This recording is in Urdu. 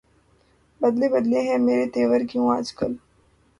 بدلے بدلے ہیں میرے تیور کیوں آج کل